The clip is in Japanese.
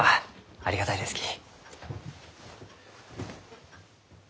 ありがたいですき。